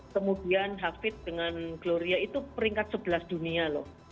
kemudian hafid dengan gloria itu peringkat sebelas dunia loh